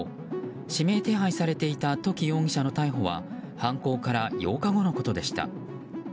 指名手配されていた土岐容疑者の逮捕は犯行から８日後のことでした。